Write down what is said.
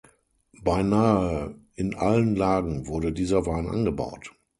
Beinahe in allen Lagen wurde dieser Wein angebaut.